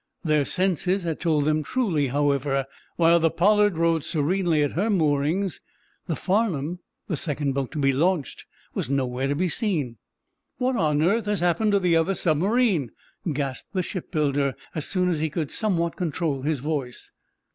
Their senses had told them truly, however. While the "Pollard" rode serenely at her moorings, the "Farnum," the second boat to be launched, was nowhere to be seen! "What on earth has happened to the other submarine?" gasped the shipbuilder, as soon as he could somewhat control his voice.